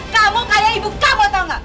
kamu kaya ibu kamu tau enggak